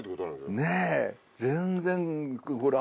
全然。